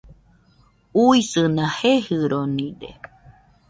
Uisɨna jejɨronide